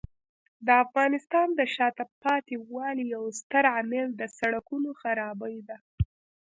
د افغانستان د شاته پاتې والي یو ستر عامل د سړکونو خرابۍ دی.